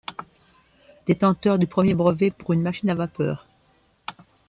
Détenteur du premier brevet pour une machine à vapeur.